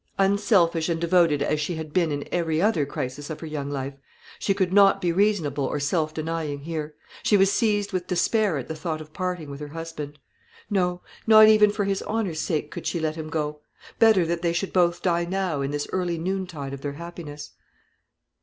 Unselfish and devoted as she had been in every other crisis of her young life, she could not be reasonable or self denying here; she was seized with despair at the thought of parting with her husband. No, not even for his honour's sake could she let him go. Better that they should both die now, in this early noontide of their happiness.